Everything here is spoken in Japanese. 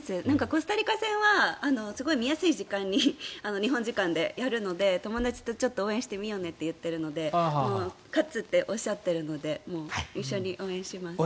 コスタリカ戦は見やすい時間に日本時間でやるので友達と応援してみようねと言っているので勝つっておっしゃっているので一緒に応援します。